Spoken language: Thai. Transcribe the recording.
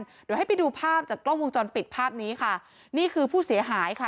เดี๋ยวให้ไปดูภาพจากกล้องวงจรปิดภาพนี้ค่ะนี่คือผู้เสียหายค่ะ